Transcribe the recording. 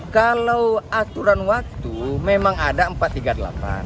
kalau aturan waktu memang ada empat tiga delapan